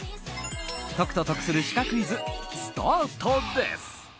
解くと得するシカクイズスタートです。